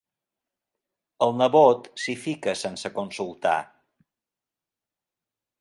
El nebot s'hi fica sense consultar.